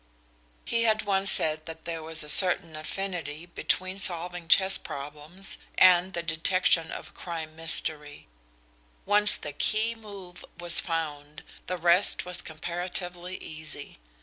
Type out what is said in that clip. He had once said that there was a certain affinity between solving chess problems and the detection of crime mystery: once the key move was found, the rest was comparatively easy.